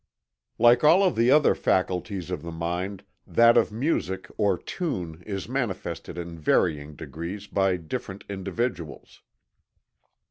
Like all of the other faculties of the mind, that of music or tune is manifested in varying degrees by different individuals.